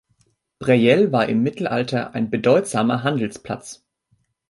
Breyell war im Mittelalter ein bedeutsamer Handelsplatz.